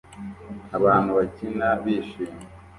abantu bakina bishimye